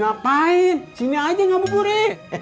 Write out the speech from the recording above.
ngapain sini aja gak berburu